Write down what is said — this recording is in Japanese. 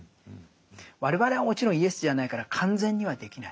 我々はもちろんイエスじゃないから完全にはできない。